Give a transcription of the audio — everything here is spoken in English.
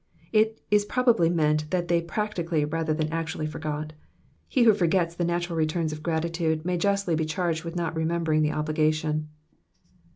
It is probably meant that they practically, rather than actually, forgot. He who forgets the natural returns of gratitude, may justly be charged with not remembering the obligation.